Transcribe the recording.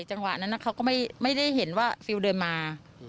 จังหวะนั้นเขาก็ไม่ได้เห็นว่าฟิลเดินมา